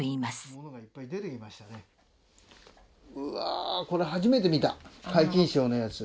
うわこれ初めて見た皆勤賞のやつ。